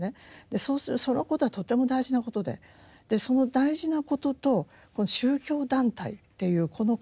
そうするとそのことはとても大事なことでその大事なことと宗教団体っていうこの関係が一体どうなってるのかと。